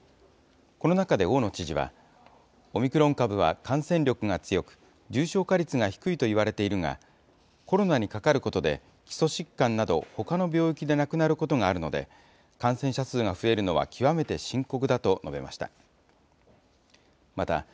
この中で大野知事は、オミクロン株は感染力が強く、重症化率が低いといわれているが、コロナにかかることで、基礎疾患などほかの病気で亡くなることがあるので、感染者数が増えるのは極めて深刻だと述べました。